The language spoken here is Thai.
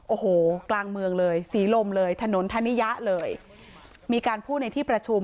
โอ้โหกลางเมืองเลยศรีลมเลยถนนธนิยะเลยมีการพูดในที่ประชุม